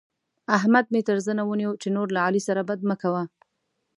احمد مې تر زنه ونيو چې نور له علي سره بد مه کوه.